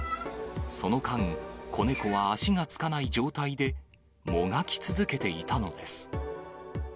その間、子猫は足がつかない状態で、もがき続けていたのです。